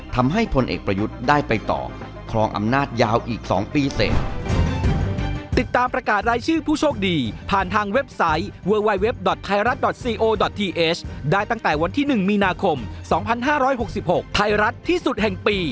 พลเอกประยุทธ์ได้ไปต่อครองอำนาจยาวอีก๒ปีเสร็จ